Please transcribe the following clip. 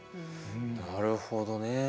なるほどね。